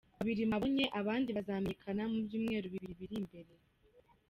Babiri mwababonye, abandi bazamenyekana mu byumweru biri imbere.